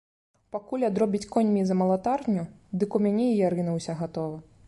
Пакуль адробяць коньмі за малатарню, дык у мяне і ярына ўся гатова.